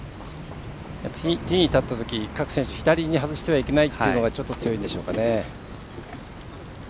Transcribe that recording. ティーに立ったとき各選手、左に外してはいけないというのがちょっと強いんでしょうかね。